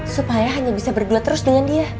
supaya hanya bisa berdua terus dengan dia